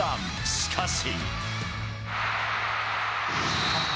しかし。